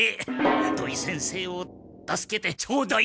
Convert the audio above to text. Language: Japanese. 土井先生を助けてちょうだい！